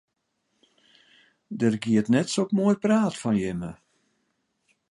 Der giet net sok moai praat fan jimme.